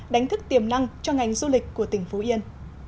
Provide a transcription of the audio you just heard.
đánh thức tiềm năng cho ngành du lịch của tỉnh phú yên